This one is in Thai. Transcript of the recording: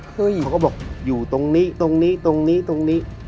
เขาก็บอกอยู่ตรงนี้ตรงนี้ตรงนี้ตรงนี้